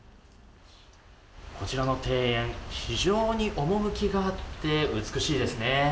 こちらの庭園非常に趣があって美しいですね。